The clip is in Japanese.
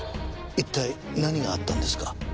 一体何があったんですか？